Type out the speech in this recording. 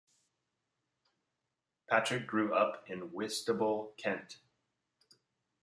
Patrick grew up in Whitstable, Kent.